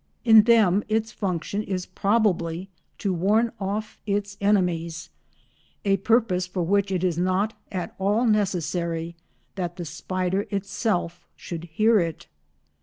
In them its function is probably to warn off its enemies—a purpose for which it is not at all necessary that the spider itself should hear it.